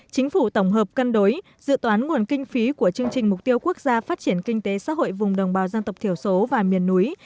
chính phủ tổng hợp cân đối dự toán nguồn kinh phí của chương trình mục tiêu quốc gia phát triển kinh tế xã hội vùng đồng bào dân tộc thiểu số và miền núi